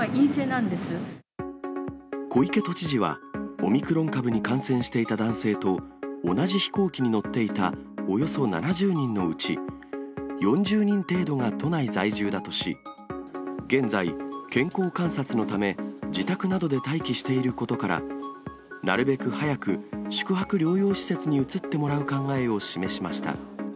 小池都知事は、オミクロン株に感染していた男性と同じ飛行機に乗っていたおよそ７０人のうち、４０人程度が都内在住だとし、現在、健康観察のため、自宅などで待機していることから、なるべく早く宿泊療養施設に移ってもらう考えを示しました。